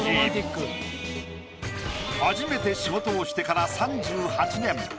初めて仕事をしてから３８年。